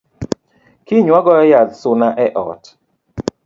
Kiny wagoyo yadh suna e ot